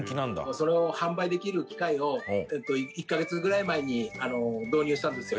「それを販売できる機械を１カ月ぐらい前に導入したんですよ」